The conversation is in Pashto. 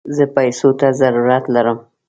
زه پيسوته ضرورت لم